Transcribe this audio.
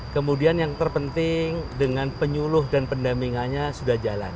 kemudian yang terpenting dengan penyuluh dan pendampingannya sudah jalan